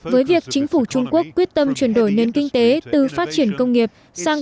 với việc chính phủ trung quốc quyết tâm chuyển đổi nền kinh tế từ phát triển công nghiệp sang